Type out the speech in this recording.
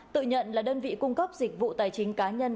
tự nhận là đơn vị cung cấp dịch vụ tài chính cá nhân